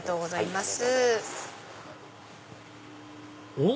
おっ！